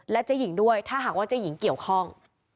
เจ๊หญิงด้วยถ้าหากว่าเจ๊หญิงเกี่ยวข้อง